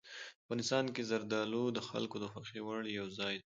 افغانستان کې زردالو د خلکو د خوښې وړ یو ځای دی.